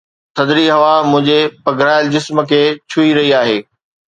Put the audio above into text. ٿڌڙي هوا منهنجي پگهرايل جسم کي ڇهي رهي آهي